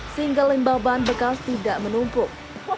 sehingga limbah ban bekas tidak menumpuk